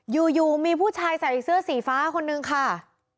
อยู่มีผู้ชายใส่เสื้อสีฟ้าคนนึงค่ะ